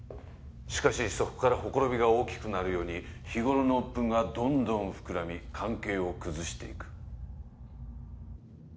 しかしそこからほころびが大きくなるように日頃の鬱憤がどんどん膨らみ関係を崩していく。